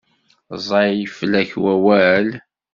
Ẓẓay fell-ak wawal?